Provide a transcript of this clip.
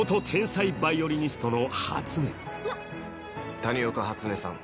谷岡初音さん